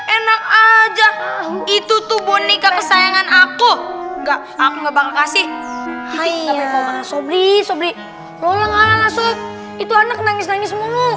enak aja itu tuh boneka kesayangan aku enggak aku nggak bakal kasih hai sobri sobri itu anak nangis nangis